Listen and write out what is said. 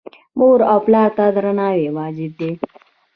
مور او پلار ته درناوی واجب دی